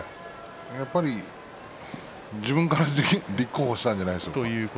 やっぱり自分から立候補したんじゃないでしょうか。